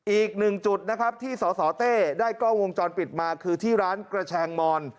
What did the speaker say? อีกหนึ่งจุดนะครับที่สสเต้ได้กล้องวงจรปิดมาคือที่ร้านกระแชงมอน